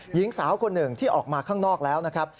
หญิงสาวคนหนึ่งที่ออกมาข้างนอกแล้วนะครับ